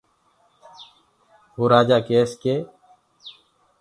وو رآجآ ڪيس ڪي